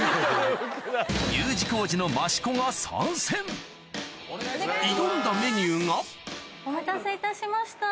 Ｕ字工事の益子が参戦挑んだメニューがお待たせいたしました。